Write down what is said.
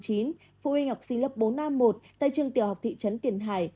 phụ huynh học sinh lớp bốn trăm năm mươi một tại trường tiểu học thị trấn tiền hải